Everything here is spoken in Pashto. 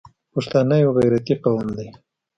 پښتانه یو غیرتي قوم دی.